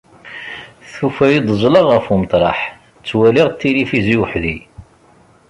Tufa-iyi-d ẓleɣ ɣef umeṭraḥ, ttwaliɣ tilivizyu weḥdi.